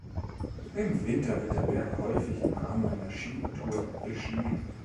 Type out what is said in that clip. Im Winter wird der Berg häufig im Rahmen einer Skitour bestiegen.